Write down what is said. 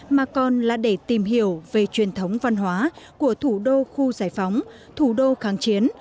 mà còn là để tìm hiểu về truyền thống văn hóa của thủ đô khu giải phóng thủ đô kháng chiến